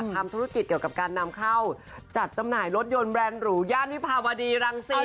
ทำธุรกิจเกี่ยวกับการนำเข้าจัดจำหน่ายรถยนต์แบรนด์หรูย่านวิภาวดีรังสิต